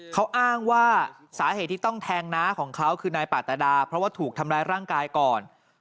เขาอ้างว่าสาเหตุที่ต้องแทงน้าของเขาคือนายปาตดาเพราะว่าถูกทำร้ายร่างกายก่อน